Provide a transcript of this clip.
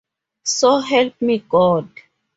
So Help Me God!